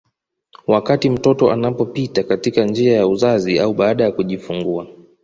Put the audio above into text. Wakati mtoto anapopita katika njia ya uzazi au baada kujifungua